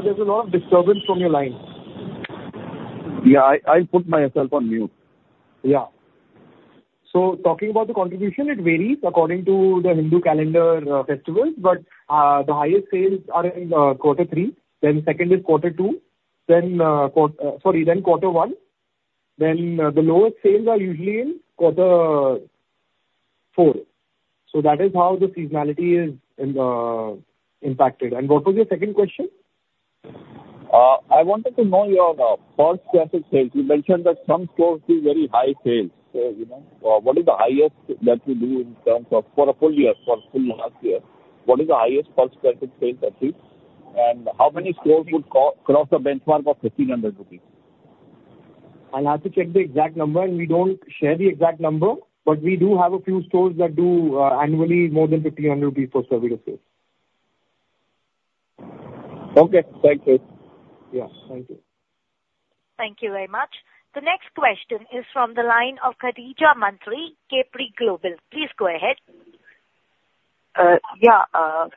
B: There's a lot of disturbance from your line.
O: Yeah. I'll put myself on mute.
B: Yeah. So talking about the contribution, it varies according to the Hindu calendar festivals. But the highest sales are in quarter three. Then second is quarter two. Sorry, then quarter one. Then the lowest sales are usually in quarter four. So that is how the seasonality is impacted. And what was your second question?
O: I wanted to know your first question sales. You mentioned that some stores do very high sales. So what is the highest that you do in terms of for a full year, for a full last year? What is the highest Q1 sales achieved? And how many stores would cross the benchmark of 1,500 rupees?
B: I'll have to check the exact number, and we don't share the exact number, but we do have a few stores that do annually more than 1,500 rupees per sq ft of sales.
O: Okay. Thank you.
B: Yeah. Thank you.
A: Thank you very much. The next question is from the line of Khadija Mantri, Capri Global. Please go ahead.
P: Yeah.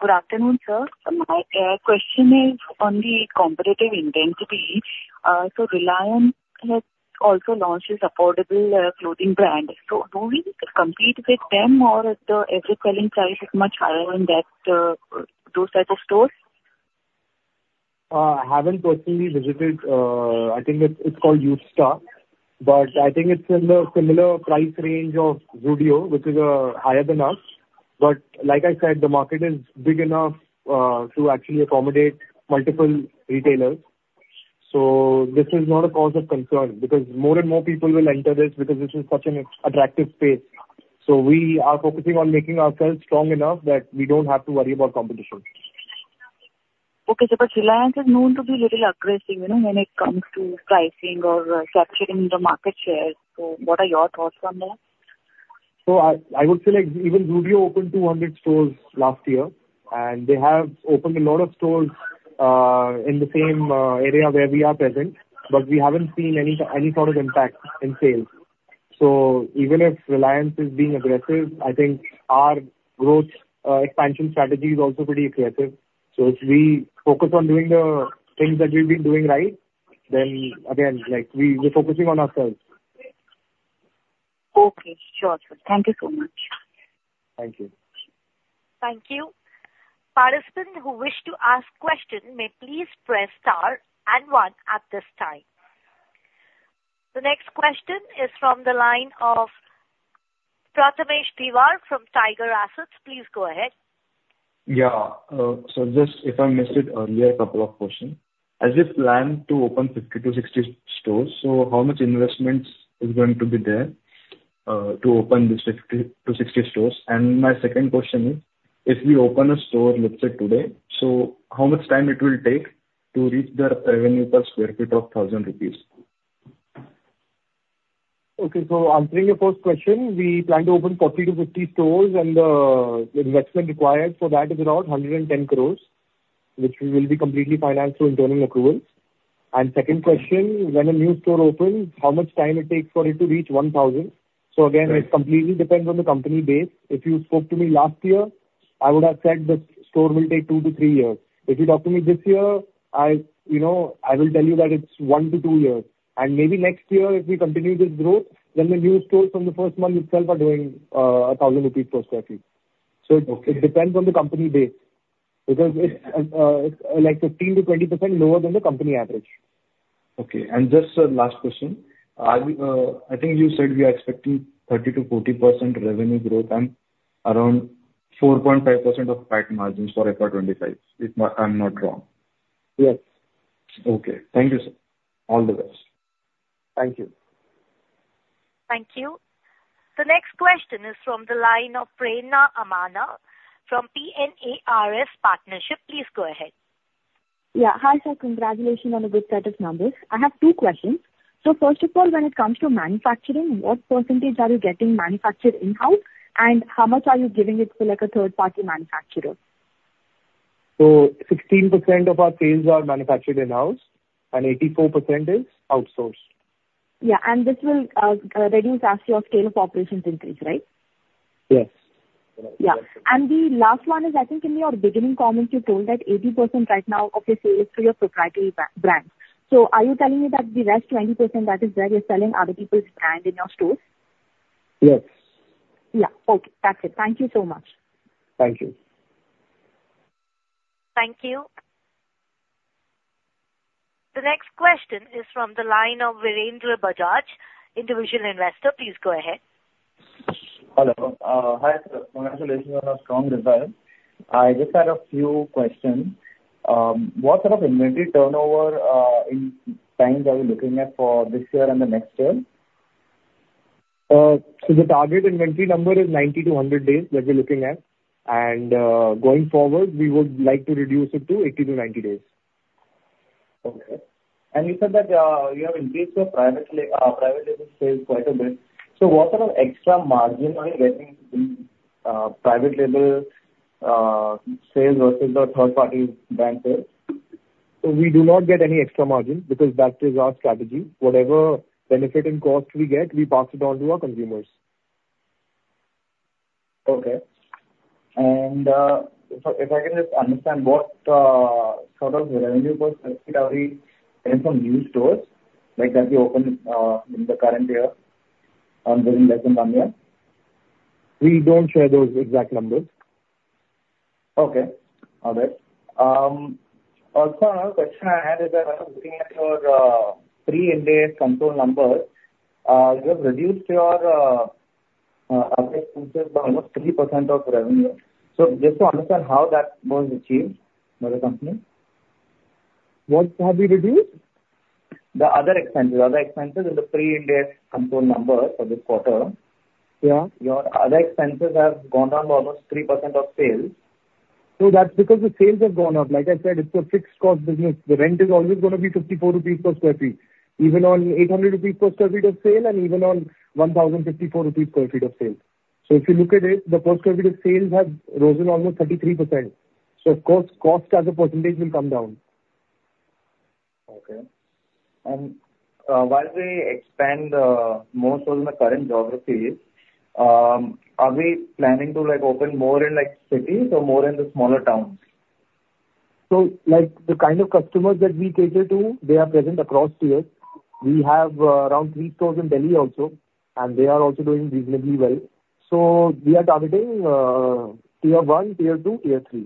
P: Good afternoon, sir. My question is on the competitive intensity. So Reliance has also launched this affordable clothing brand. So do we compete with them or is the average selling price much higher in those types of stores?
B: I haven't personally visited. I think it's called Yousta. But I think it's in the similar price range of Zudio, which is higher than us. But like I said, the market is big enough to actually accommodate multiple retailers. So this is not a cause of concern because more and more people will enter this because this is such an attractive space. So we are focusing on making ourselves strong enough that we don't have to worry about competition.
P: Okay. But Reliance is known to be a little aggressive when it comes to pricing or capturing the market share. So what are your thoughts on that?
B: I would say even Zudio opened 200 stores last year, and they have opened a lot of stores in the same area where we are present, but we haven't seen any sort of impact in sales. Even if Reliance is being aggressive, I think our growth expansion strategy is also pretty aggressive. If we focus on doing the things that we've been doing right, then again, we're focusing on ourselves.
P: Okay. Sure. Thank you so much.
B: Thank you.
A: Thank you. Participants who wish to ask questions may please press star and one at this time. The next question is from the line of Prathamesh Dhiwar from Tiger Assets. Please go ahead.
Q: Yeah. So just if I missed it earlier, a couple of questions. As you plan to open 50-60 stores, so how much investment is going to be there to open these 50-60 stores? And my second question is, if we open a store, let's say today, so how much time it will take to reach the revenue per sq ft of 1,000 rupees?
B: Okay. So answering your first question, we plan to open 40-50 stores, and the investment required for that is around 110 crore, which we will be completely financed through internal approvals. And second question, when a new store opens, how much time it takes for it to reach 1,000? So again, it completely depends on the company base. If you spoke to me last year, I would have said the store will take 2-3 years. If you talk to me this year, I will tell you that it's 1-2 years. And maybe next year, if we continue this growth, then the new stores from the first month itself are doing 1,000 rupees per sq ft. So it depends on the company base because it's like 15%-20% lower than the company average.
Q: Okay. Just a last question. I think you said we are expecting 30%-40% revenue growth and around 4.5% PAT margins for FY25. If I'm not wrong.
B: Yes.
Q: Okay. Thank you, sir. All the best.
B: Thank you.
A: Thank you. The next question is from the line of Prana Amana from PNARS Partnership. Please go ahead.
R: Yeah. Hi, sir. Congratulations on a good set of numbers. I have two questions. So first of all, when it comes to manufacturing, what percentage are you getting manufactured in-house, and how much are you giving it to a third-party manufacturer?
B: 16% of our sales are manufactured in-house, and 84% is outsourced.
R: Yeah. And this will reduce as your scale of operations increase, right?
B: Yes.
R: Yeah. And the last one is, I think in your beginning comment, you told that 80% right now of your sales is through your proprietary brand. So are you telling me that the rest 20%, that is where you're selling other people's brand in your stores?
B: Yes.
R: Yeah. Okay. That's it. Thank you so much.
B: Thank you.
A: Thank you. The next question is from the line of Virendra Bajaj, individual investor. Please go ahead.
I: Hello. Hi, sir. Congratulations on a strong result. I just had a few questions. What sort of inventory turnover in times are you looking at for this year and the next year?
B: The target inventory number is 90-100 days that we're looking at. Going forward, we would like to reduce it to 80-90 days.
I: Okay. You said that you have increased your private label sales quite a bit. What sort of extra margin are you getting in private label sales versus the third-party brand sales?
B: We do not get any extra margin because that is our strategy. Whatever benefit and cost we get, we pass it on to our consumers.
I: Okay. If I can just understand what sort of revenue per sq ft are we getting from new stores that you opened in the current year and within less than one year?
B: We don't share those exact numbers.
I: Okay. All right. Also, another question I had is that I was looking at your pre-Ind AS consolidated numbers. You have reduced your average purchase by almost 3% of revenue. So just to understand how that was achieved by the company?
B: What have we reduced?
I: The other expenses. Other expenses in the pre-Ind AS consolidated number for this quarter.
B: Yeah.
I: Your other expenses have gone down to almost 3% of sales.
B: So that's because the sales have gone up. Like I said, it's a fixed cost business. The rent is always going to be 54 rupees per sq ft, even on 800 rupees per sq ft of sale, and even on 1,054 rupees per sq ft of sale. So if you look at it, the per sq ft of sales have risen almost 33%. So of course, cost as a percentage will come down.
I: Okay. While we expand more so in the current geography, are we planning to open more in cities or more in the smaller towns?
B: The kind of customers that we cater to, they are present across Tier. We have around 3 stores in Delhi also, and they are also doing reasonably well. We are targeting Tier 1, Tier 2, Tier 3,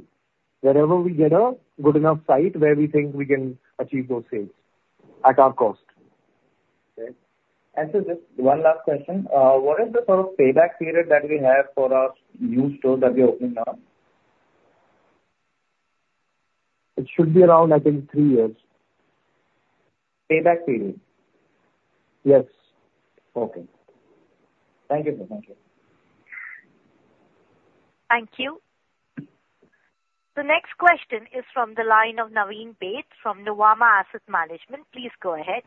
B: wherever we get a good enough site where we think we can achieve those sales at our cost.
I: Okay. And so just one last question. What is the sort of payback period that we have for our new stores that we are opening now?
B: It should be around, I think, 3 years.
I: Payback period?
B: Yes.
I: Okay. Thank you, sir. Thank you.
A: Thank you. The next question is from the line of Naveen Baid from Nuvama Asset Management. Please go ahead.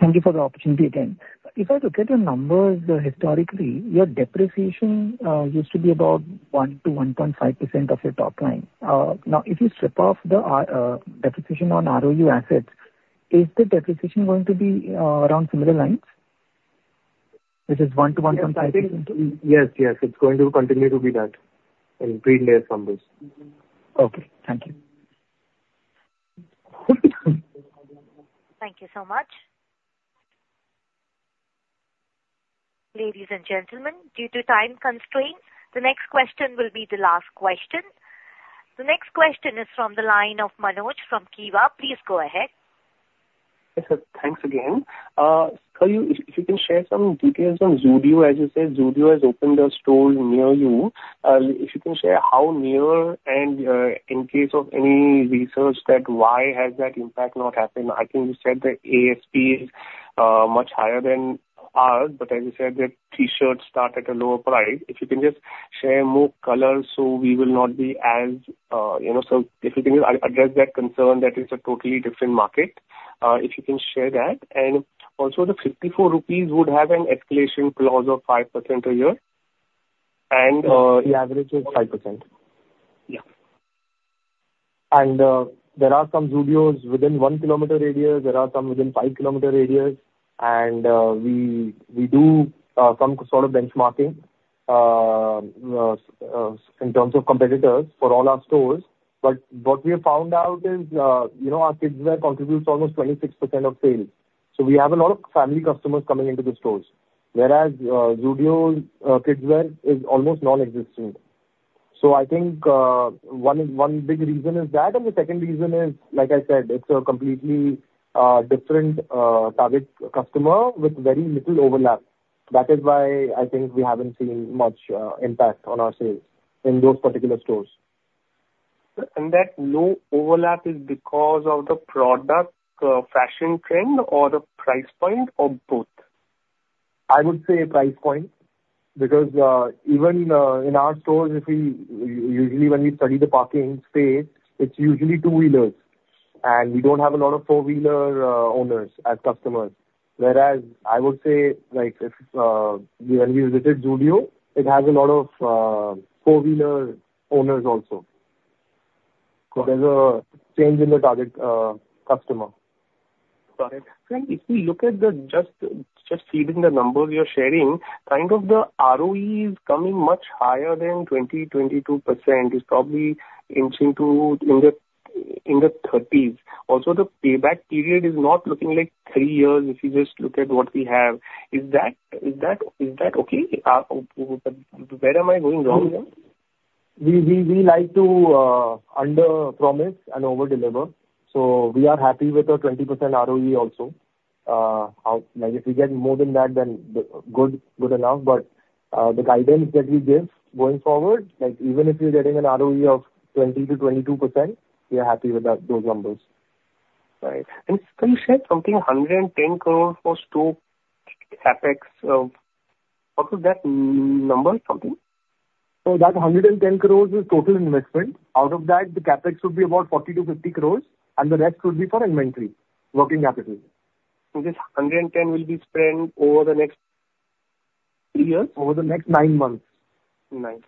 J: Thank you for the opportunity again. If I look at your numbers, historically, your depreciation used to be about 1%-1.5% of your top line. Now, if you strip off the depreciation on ROU assets, is the depreciation going to be around similar lines? This is 1%-1.5%.
B: Yes. Yes. It's going to continue to be that in pre-Ind AS numbers.
J: Okay. Thank you.
A: Thank you so much. Ladies and gentlemen, due to time constraints, the next question will be the last question. The next question is from the line of Manoj from Kiva. Please go ahead.
M: Yes, sir. Thanks again. If you can share some details on Zudio, as you said, Zudio has opened a store near you. If you can share how near and in case of any research that why has that impact not happened? I think you said the ASP is much higher than ours, but as you said, the T-shirts start at a lower price. If you can just share more colors so we will not be as so if you can address that concern that it's a totally different market, if you can share that. And also, the 54 rupees would have an escalation clause of 5% a year. And the average is 5%.
B: Yeah. There are some Zudios within 1 km radius. There are some within 5 km radius. We do some sort of benchmarking in terms of competitors for all our stores. But what we have found out is our Kidzwear contributes almost 26% of sales. So we have a lot of family customers coming into the stores, whereas Zudio Kidzwear is almost non-existent. So I think one big reason is that. And the second reason is, like I said, it's a completely different target customer with very little overlap. That is why I think we haven't seen much impact on our sales in those particular stores.
M: That low overlap is because of the product fashion trend or the price point or both?
B: I would say price point because even in our stores, usually when we study the parking space, it's usually two-wheelers, and we don't have a lot of four-wheeler owners as customers. Whereas I would say when we visited Zudio, it has a lot of four-wheeler owners also. There's a change in the target customer.
M: Got it.
B: If we look at just feeding the numbers you're sharing, kind of the ROE is coming much higher than 20%-22%. It's probably inching to in the 30s. Also, the payback period is not looking like three years if you just look at what we have. Is that okay? Where am I going wrong there? We like to under-promise and over-deliver. So we are happy with a 20% ROE also. If we get more than that, then good enough. But the guidance that we give going forward, even if you're getting an ROE of 20%-22%, we are happy with those numbers.
M: Right. And can you share something? 110 crore for stock CapEx. What was that number, something?
B: That 110 crore is total investment. Out of that, the CapEx would be about 40 crore-50 crore, and the rest would be for inventory, working capital.
M: So this 110 will be spent over the next three years?
B: Over the next nine months.
M: Nice.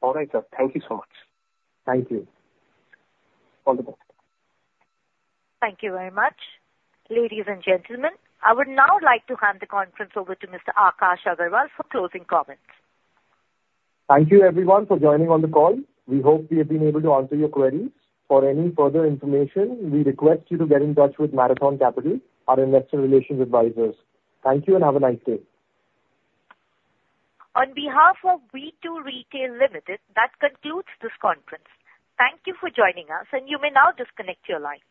M: All right, sir. Thank you so much.
B: Thank you.
M: All the best.
A: Thank you very much. Ladies and gentlemen, I would now like to hand the conference over to Mr. Akash Agarwal for closing comments.
B: Thank you, everyone, for joining on the call. We hope we have been able to answer your queries. For any further information, we request you to get in touch with Marathon Capital, our investor relations advisors. Thank you and have a nice day.
A: On behalf of V2 Retail Limited, that concludes this conference. Thank you for joining us, and you may now disconnect your line.